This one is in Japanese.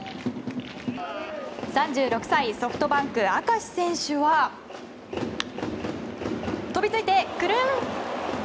３６歳、ソフトバンク明石選手は飛びついて、くるん！